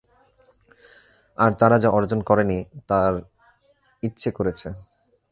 আর তারা যা অর্জন করেনি তার ইচ্ছে করেছে।